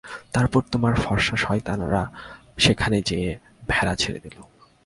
তারপর তোমরা ফর্সা সয়তানরা সেখানে যেয়ে ভেড়া ছেড়ে দিলে।